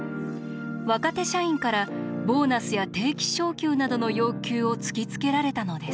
若手社員からボーナスや定期昇給などの要求を突きつけられたのです。